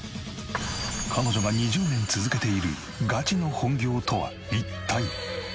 彼女が２０年続けているガチの本業とは一体？